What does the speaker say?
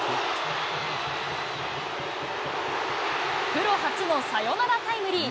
プロ初のサヨナラタイムリー。